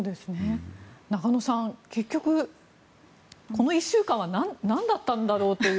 中野さん、結局この１週間はなんだったんだろうという。